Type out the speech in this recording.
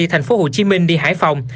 thành phố hồ chí minh đi hải phòng